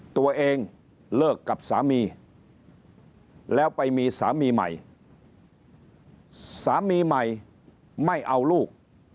ตัวเองเลิกกับสามีแล้วไปมีสามีใหม่สามีใหม่ไม่เอาลูก